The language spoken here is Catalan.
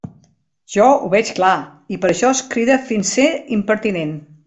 Jo ho veig clar, i per això cride fins a ser impertinent.